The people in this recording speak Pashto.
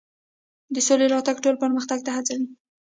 د سولې راتګ ټولنه پرمختګ ته هڅوي.